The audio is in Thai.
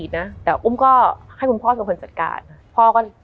มันทำให้ชีวิตผู้มันไปไม่รอด